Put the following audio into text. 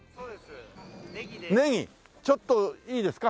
ちょっといいですか？